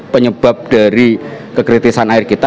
penyebab dari kekritisan air kita